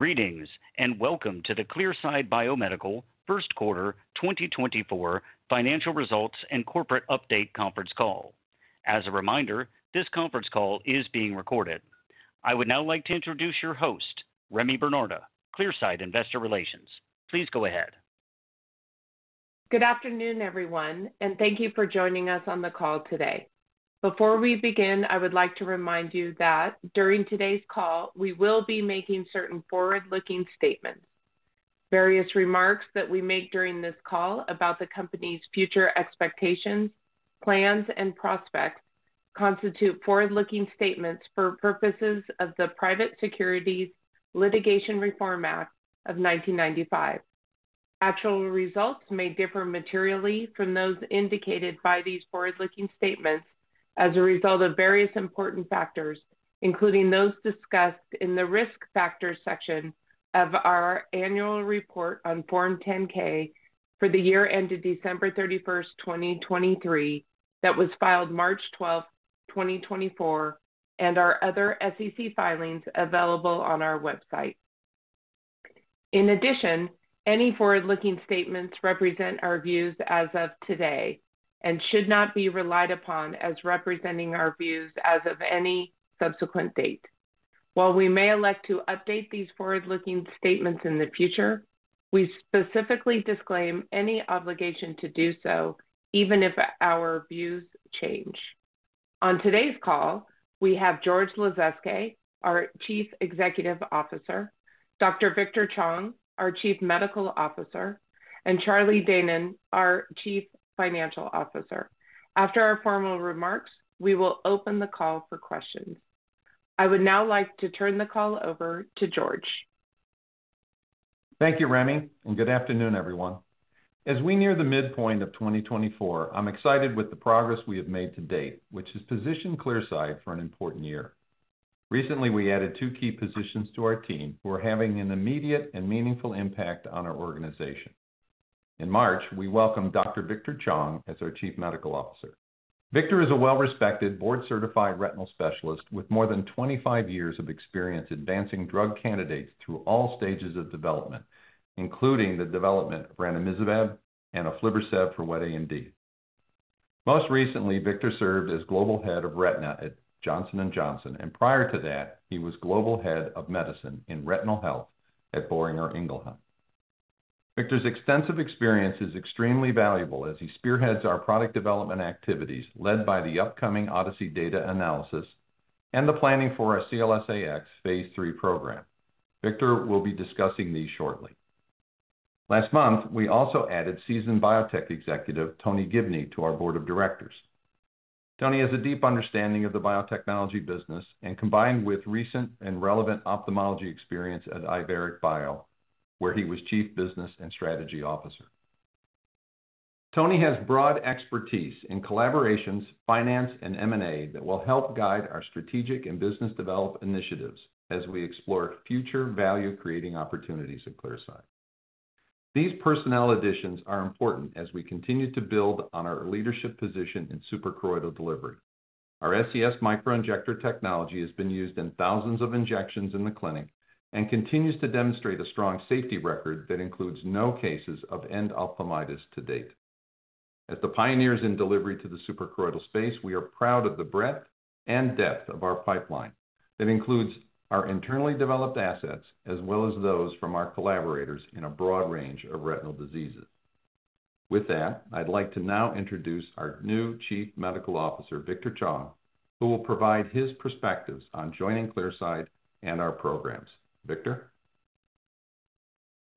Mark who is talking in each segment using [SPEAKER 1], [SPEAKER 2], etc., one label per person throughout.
[SPEAKER 1] Greetings and welcome to the Clearside Biomedical first quarter 2024 financial results and corporate update conference call. As a reminder, this conference call is being recorded. I would now like to introduce your host, Remy Bernarda, Clearside Investor Relations. Please go ahead.
[SPEAKER 2] Good afternoon, everyone, and thank you for joining us on the call today. Before we begin, I would like to remind you that during today's call we will be making certain forward-looking statements. Various remarks that we make during this call about the company's future expectations, plans, and prospects constitute forward-looking statements for purposes of the Private Securities Litigation Reform Act of 1995. Actual results may differ materially from those indicated by these forward-looking statements as a result of various important factors, including those discussed in the risk factors section of our annual report on Form 10-K for the year ended December 31, 2023, that was filed March 12, 2024, and our other SEC filings available on our website. In addition, any forward-looking statements represent our views as of today and should not be relied upon as representing our views as of any subsequent date. While we may elect to update these forward-looking statements in the future, we specifically disclaim any obligation to do so even if our views change. On today's call, we have George Lasezkay, our Chief Executive Officer, Dr. Victor Chong, our Chief Medical Officer, and Charlie Deignan, our Chief Financial Officer. After our formal remarks, we will open the call for questions. I would now like to turn the call over to George.
[SPEAKER 3] Thank you, Remy, and good afternoon, everyone. As we near the midpoint of 2024, I'm excited with the progress we have made to date, which has positioned Clearside for an important year. Recently, we added two key positions to our team who are having an immediate and meaningful impact on our organization. In March, we welcomed Dr. Victor Chong as our Chief Medical Officer. Victor is a well-respected, board-certified retinal specialist with more than 25 years of experience advancing drug candidates through all stages of development, including the development of ranibizumab and aflibercept for wet AMD. Most recently, Victor served as Global Head of Retina at Johnson & Johnson, and prior to that, he was Global Head of Medicine in Retinal Health at Boehringer Ingelheim. Victor's extensive experience is extremely valuable as he spearheads our product development activities led by the upcoming ODYSSEY data analysis and the planning for our CLS-AX Phase 3 program. Victor will be discussing these shortly. Last month, we also added seasoned biotech executive Tony Gibney to our board of directors. Tony has a deep understanding of the biotechnology business and combined with recent and relevant ophthalmology experience at Iveric Bio, where he was Chief Business and Strategy Officer. Tony has broad expertise in collaborations, finance, and M&A that will help guide our strategic and business development initiatives as we explore future value-creating opportunities at Clearside. These personnel additions are important as we continue to build on our leadership position in suprachoroidal delivery. Our SCS Microinjector technology has been used in thousands of injections in the clinic and continues to demonstrate a strong safety record that includes no cases of endophthalmitis to date. As the pioneers in delivery to the suprachoroidal space, we are proud of the breadth and depth of our pipeline that includes our internally developed assets as well as those from our collaborators in a broad range of retinal diseases. With that, I'd like to now introduce our new Chief Medical Officer, Victor Chong, who will provide his perspectives on joining Clearside and our programs. Victor?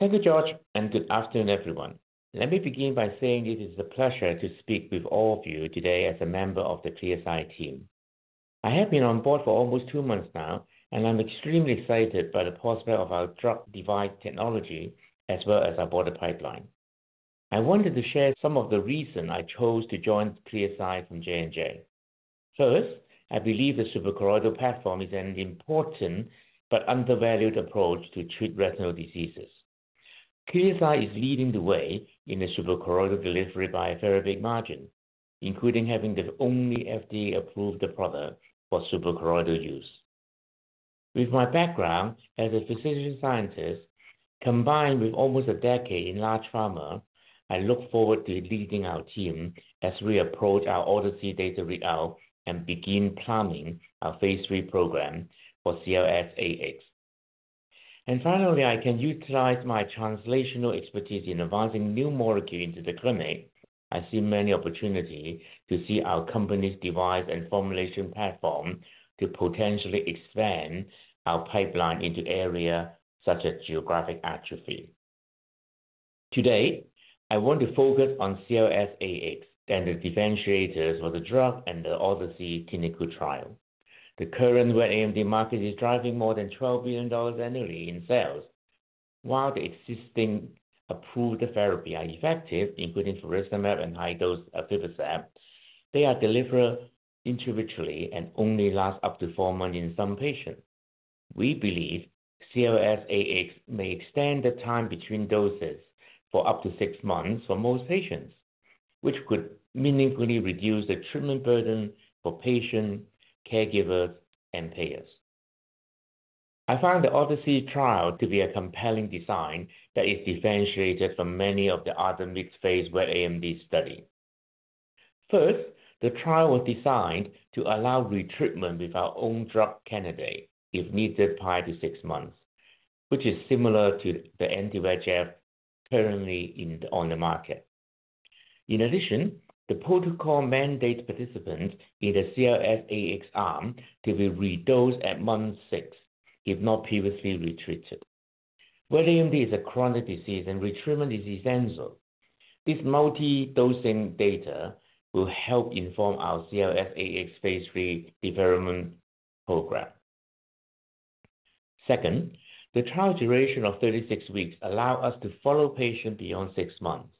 [SPEAKER 4] Hello George and good afternoon, everyone. Let me begin by saying it is a pleasure to speak with all of you today as a member of the Clearside team. I have been on board for almost two months now, and I'm extremely excited by the prospect of our drug delivery technology as well as our broad pipeline. I wanted to share some of the reasons I chose to join Clearside from J&J. First, I believe the suprachoroidal platform is an important but undervalued approach to treat retinal diseases. Clearside is leading the way in the suprachoroidal delivery by a very big margin, including having the only FDA-approved product for suprachoroidal use. With my background as a physician scientist combined with almost a decade in large pharma, I look forward to leading our team as we approach our Odyssey data readout and begin planning our phase 3 program for CLS-AX. Finally, I can utilize my translational expertise in advancing new molecules into the clinic. I see many opportunities to see our company's device and formulation platform to potentially expand our pipeline into areas such as geographic atrophy. Today, I want to focus on CLS-AX and the differentiators for the drug and the ODYSSEY clinical trial. The current wet AMD market is driving more than $12 billion annually in sales. While the existing approved therapies are effective, including ranibizumab and high-dose aflibercept, they are delivered individually and only last up to four months in some patients. We believe CLS-AX may extend the time between doses for up to six months for most patients, which could meaningfully reduce the treatment burden for patients, caregivers, and payers. I find the ODYSSEY trial to be a compelling design that is differentiated from many of the other mixed-phase wet AMD studies. First, the trial was designed to allow retreatment with our own drug candidate if needed prior to six months, which is similar to the anti-VEGF currently on the market. In addition, the protocol mandates participants in the CLS-AX arm to be redosed at month six if not previously retreated. Wet AMD is a chronic disease and retreatment is essential. This multi-dosing data will help inform our CLS-AX phase 3 development program. Second, the trial duration of 36 weeks allows us to follow patients beyond six months.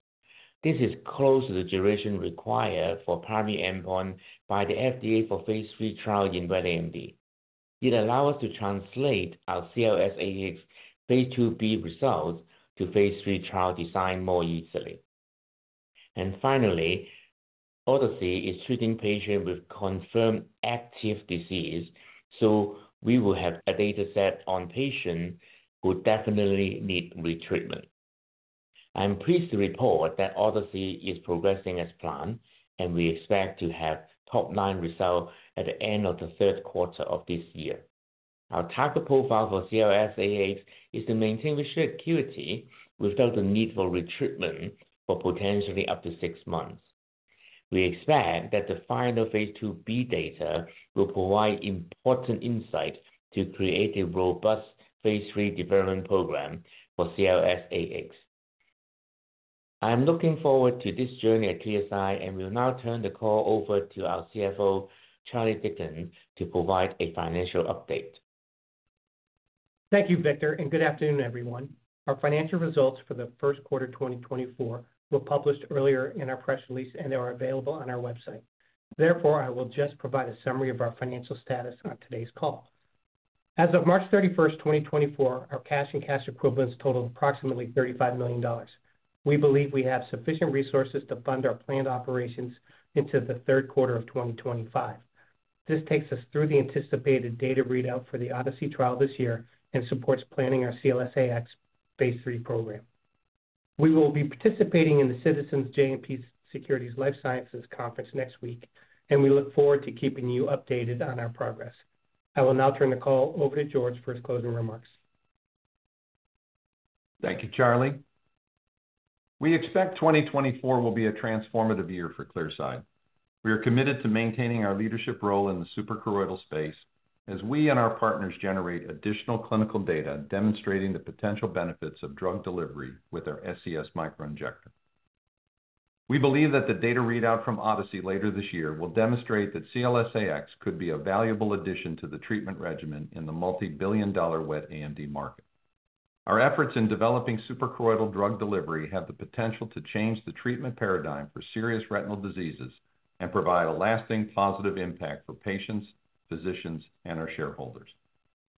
[SPEAKER 4] This is close to the duration required for primary endpoint by the FDA for phase 3 trial in wet AMD. It allows us to translate our CLS-AX phase 2b results to phase 3 trial design more easily. And finally, ODYSSEY is treating patients with confirmed active disease, so we will have a dataset on patients who definitely need retreatment. I'm pleased to report that ODYSSEY is progressing as planned, and we expect to have top-line results at the end of the third quarter of this year. Our target profile for CLS-AX is to maintain visual acuity without the need for retreatment for potentially up to six months. We expect that the final phase 2b data will provide important insight to create a robust phase 3 development program for CLS-AX. I am looking forward to this journey at Clearside and will now turn the call over to our CFO, Charlie Deignan, to provide a financial update.
[SPEAKER 5] Thank you, Victor, and good afternoon, everyone. Our financial results for the first quarter 2024 were published earlier in our press release, and they are available on our website. Therefore, I will just provide a summary of our financial status on today's call. As of March 31, 2024, our cash and cash equivalents totaled approximately $35 million. We believe we have sufficient resources to fund our planned operations into the third quarter of 2025. This takes us through the anticipated data readout for the ODYSSEY trial this year and supports planning our CLS-AX phase 3 program. We will be participating in the JMP Securities Life Sciences Conference next week, and we look forward to keeping you updated on our progress. I will now turn the call over to George for his closing remarks.
[SPEAKER 3] Thank you, Charlie. We expect 2024 will be a transformative year for Clearside. We are committed to maintaining our leadership role in the suprachoroidal space as we and our partners generate additional clinical data demonstrating the potential benefits of drug delivery with our SCS Microinjector. We believe that the data readout from ODYSSEY later this year will demonstrate that CLS-AX could be a valuable addition to the treatment regimen in the multi-billion-dollar wet AMD market. Our efforts in developing suprachoroidal drug delivery have the potential to change the treatment paradigm for serious retinal diseases and provide a lasting positive impact for patients, physicians, and our shareholders.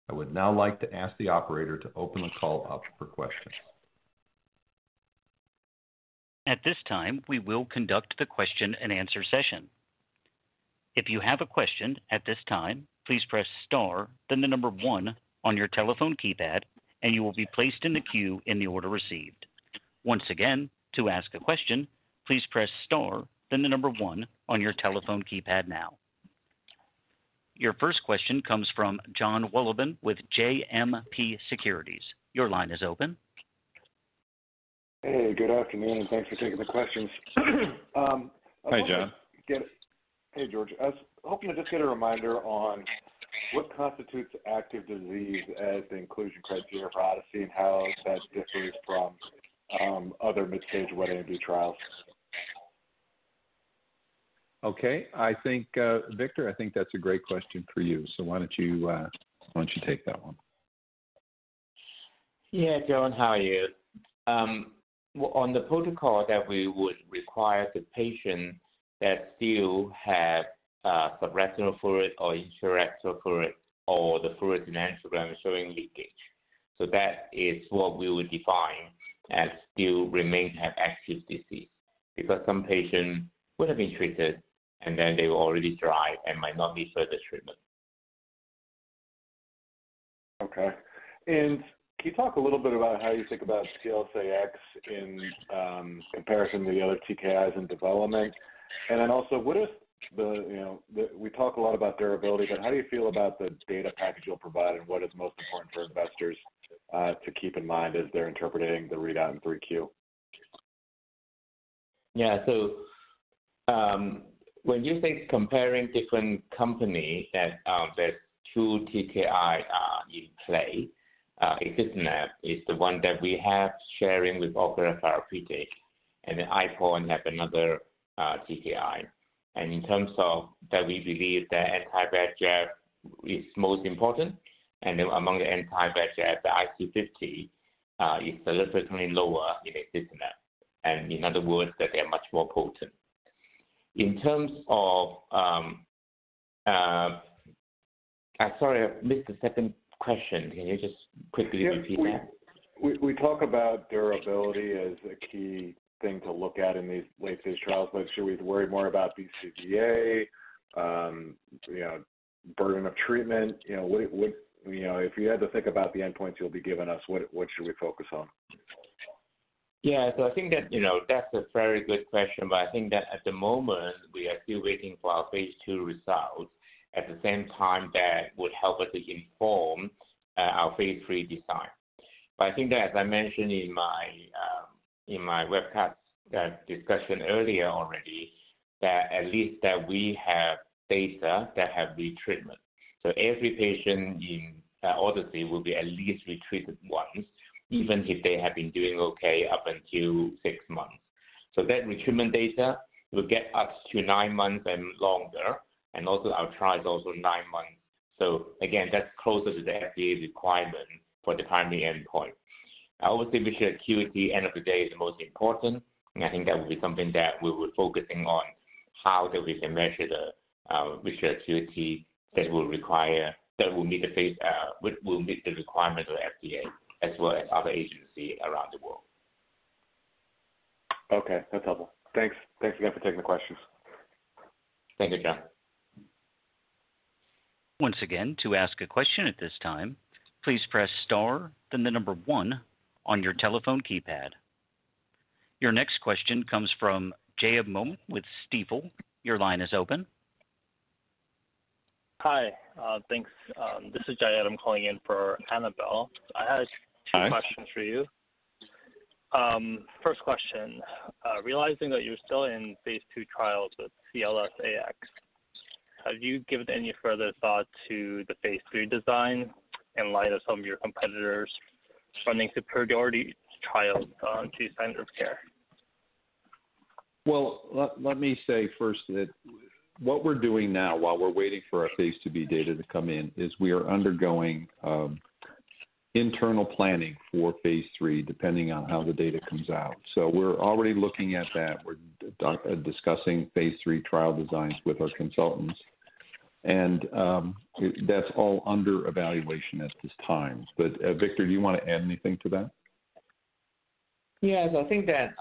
[SPEAKER 3] I would now like to ask the operator to open the call up for questions.
[SPEAKER 1] At this time, we will conduct the question-and-answer session. If you have a question at this time, please press * then the number 1 on your telephone keypad, and you will be placed in the queue in the order received. Once again, to ask a question, please press * then the number 1 on your telephone keypad now. Your first question comes from John Wolleben with JMP Securities. Your line is open.
[SPEAKER 6] Hey, good afternoon, and thanks for taking the questions.
[SPEAKER 3] Hey, John.
[SPEAKER 6] Hey, George. I was hoping to just get a reminder on what constitutes active disease as the inclusion criteria for ODYSSEY and how that differs from other mid-stage wet AMD trials?
[SPEAKER 3] Okay. Victor, I think that's a great question for you, so why don't you take that one?
[SPEAKER 4] Yeah, John, how are you? On the protocol, we would require the patient that still has subretinal fluid or intraretinal fluid or the fluid in angiogram is showing leakage. So that is what we would define as still remains to have active disease because some patients would have been treated, and then they were already dry and might not need further treatment.
[SPEAKER 6] Okay. Can you talk a little bit about how you think about CLS-AX in comparison to the other TKIs in development? And then also, what if we talk a lot about durability, but how do you feel about the data package you'll provide and what is most important for investors to keep in mind as they're interpreting the readout in 3Q?
[SPEAKER 4] Yeah. So when you think comparing different companies, there's two TKIs in play. ExistNab is the one that we have sharing with Opera Therapeutics, and then iPON has another TKI. And in terms of that, we believe that anti-VEGF is most important. And then among the anti-VEGF, the IC50 is significantly lower in ExistNab. And in other words, that they're much more potent. In terms of, sorry, I missed the second question. Can you just quickly repeat that?
[SPEAKER 6] Yeah. We talk about durability as a key thing to look at in these late-phase trials. But should we worry more about BCVA, burden of treatment? If you had to think about the endpoints you'll be giving us, what should we focus on?
[SPEAKER 4] Yeah. So I think that that's a very good question, but I think that at the moment, we are still waiting for our phase 2 results at the same time that would help us to inform our phase 3 design. But I think that, as I mentioned in my webcast discussion earlier already, at least that we have data that have retreatment. So every patient in Odyssey will be at least retreated once, even if they have been doing okay up until 6 months. So that retreatment data will get us to 9 months and longer, and also our trial is also 9 months. So again, that's closer to the FDA requirement for the primary endpoint. I would say visual acuity, end of the day, is the most important. I think that will be something that we will be focusing on, how that we can measure the visual acuity that will require that will meet the requirements of the FDA as well as other agencies around the world.
[SPEAKER 6] Okay. That's helpful. Thanks again for taking the questions.
[SPEAKER 4] Thank you, John.
[SPEAKER 1] Once again, to ask a question at this time, please press * then the number 1 on your telephone keypad. Your next question comes from JMOMAN with Stifel. Your line is open.
[SPEAKER 7] Hi. Thanks. This is Jayed. I'm calling in for Annabelle. I had two questions for you. First question, realizing that you're still in phase 2 trials with CLS-AX, have you given any further thought to the phase 3 design in light of some of your competitors running superiority trials to standard of care?
[SPEAKER 3] Well, let me say first that what we're doing now while we're waiting for our phase 2b data to come in is we are undergoing internal planning for phase 3 depending on how the data comes out. So we're already looking at that. We're discussing phase 3 trial designs with our consultants, and that's all under evaluation at this time. But Victor, do you want to add anything to that?
[SPEAKER 4] Yeah. So I think that,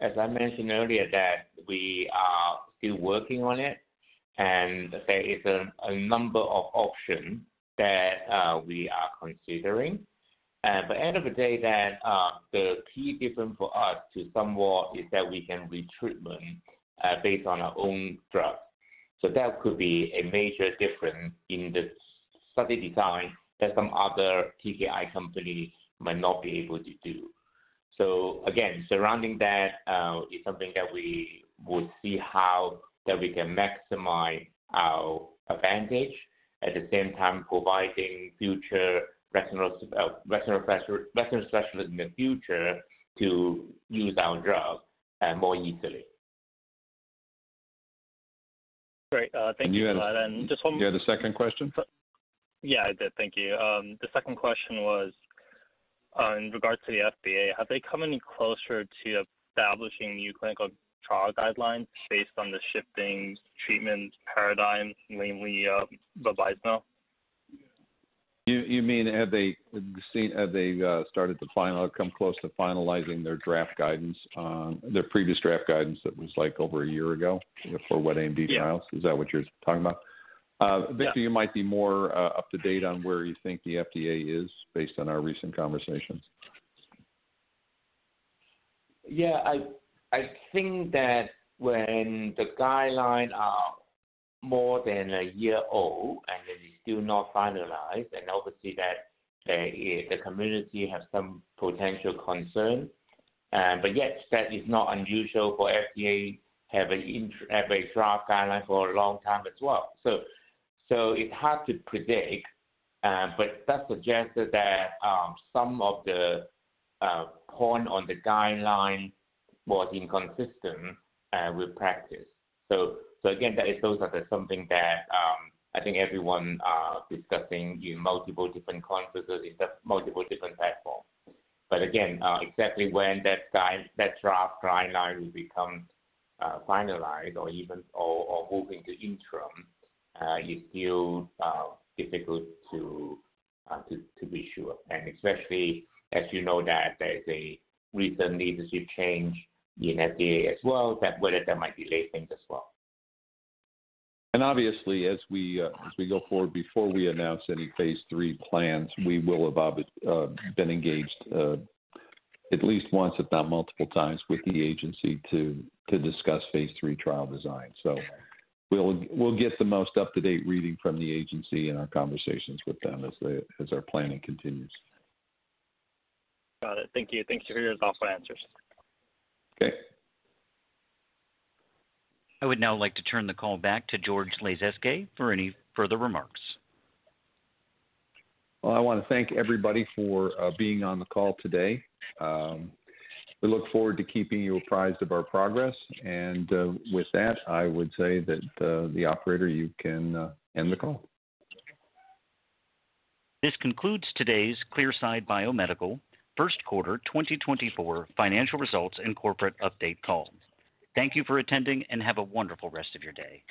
[SPEAKER 4] as I mentioned earlier, that we are still working on it, and there is a number of options that we are considering. But at the end of the day, the key difference for us to someone is that we can retreatment based on our own drugs. So that could be a major difference in the study design that some other TKI companies might not be able to do. So again, surrounding that is something that we will see how that we can maximize our advantage at the same time providing future retinal specialists in the future to use our drug more easily.
[SPEAKER 7] Great. Thank you for that. And just one more.
[SPEAKER 3] You had a second question?
[SPEAKER 7] Yeah, I did. Thank you. The second question was, in regards to the FDA, have they come any closer to establishing new clinical trial guidelines based on the shifting treatment paradigm, namely bevacizumab?
[SPEAKER 3] You mean have they started to come close to finalizing their previous draft guidance that was over a year ago for wet AMD trials? Is that what you're talking about? Victor, you might be more up to date on where you think the FDA is based on our recent conversations.
[SPEAKER 4] Yeah. I think that when the guidelines are more than a year old and they're still not finalized, and obviously that the community has some potential concern. But yet, that is not unusual for FDA to have a draft guideline for a long time as well. So it's hard to predict, but that suggests that some of the point on the guideline was inconsistent with practice. So again, those are something that I think everyone is discussing in multiple different conferences in multiple different platforms. But again, exactly when that draft guideline will become finalized or moving to interim, it's still difficult to be sure. And especially as you know that there's a recent leadership change in FDA as well, whether that might be late things as well.
[SPEAKER 3] Obviously, as we go forward, before we announce any phase 3 plans, we will have been engaged at least once, if not multiple times, with the agency to discuss phase 3 trial designs. We'll get the most up-to-date reading from the agency in our conversations with them as our planning continues.
[SPEAKER 7] Got it. Thank you. Thank you for your thoughtful answers.
[SPEAKER 3] Okay.
[SPEAKER 1] I would now like to turn the call back to George Lasezkay for any further remarks.
[SPEAKER 3] Well, I want to thank everybody for being on the call today. We look forward to keeping you apprised of our progress. With that, I would say that the operator, you can end the call.
[SPEAKER 1] This concludes today's Clearside Biomedical first quarter 2024 financial results and corporate update call. Thank you for attending, and have a wonderful rest of your day.